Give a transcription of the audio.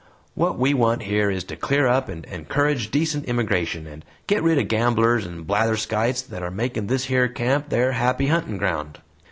What we want here is to clear up and encourage decent immigration, and get rid o' gamblers and blatherskites that are makin' this yer camp their happy hunting ground.